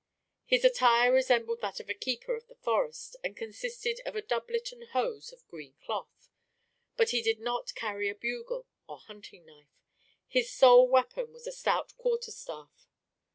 His attire resembled that of a keeper of the forest, and consisted of a doublet and hose of green cloth; but he did not carry a bugle or hunting knife. His sole weapon was a stout quarter staff.